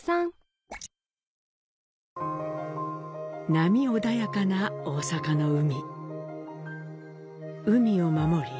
波穏やかな大阪の海。